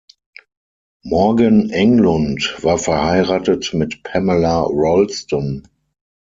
Morgan Englund war verheiratet mit Pamela Rolston.